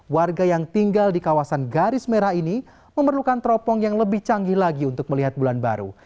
warga yang tinggal di kawasan garis merah ini memerlukan teropong yang lebih canggih lagi untuk melihat bulan baru